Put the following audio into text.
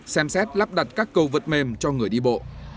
xem xét lắp đặt các cầu vượt mềm cho người đi bộ